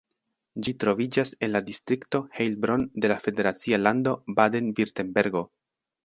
Ĝi troviĝas en la distrikto Heilbronn de la federacia lando Baden-Virtembergo.